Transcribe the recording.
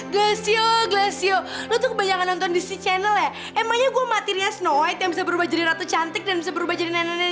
glasio glasio lo tuh kebanyakan nonton dc channel ya